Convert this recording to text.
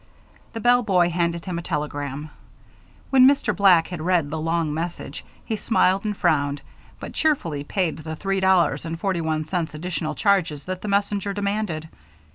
The bellboy handed him a telegram. When Mr. Black had read the long message he smiled and frowned, but cheerfully paid the three dollars and forty one cents additional charges that the messenger demanded.